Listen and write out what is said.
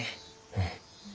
うん。